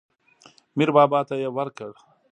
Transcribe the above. میر بابا ته یې ورکړ.